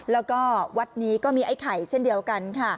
แล้วก็วัดนี้ก็มีไอ้ไข่เช่นเดียวกันค่ะ